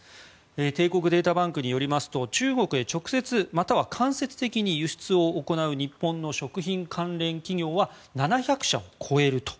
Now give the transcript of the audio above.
帝国データバンクによりますと中国へ直接または間接的に輸出を行う日本の食品関連企業は７００社を超えると。